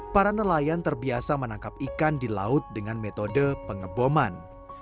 para nelayan terbiasa menangkap ikan di laut dengan metode pengeboman